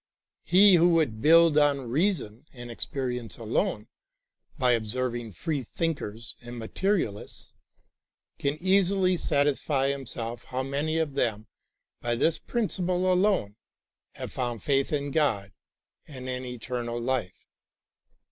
He who would build on reason and experience alone, by observing free thinkers and materialists, can easily satisfy himself how many of them by this principle alone have found faith in God and in eternal life.